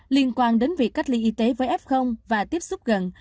liên quan đến việc cách ly y tế với f và tiếp xúc gần